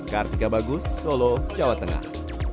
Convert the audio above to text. kartika bagus solo jawa tengah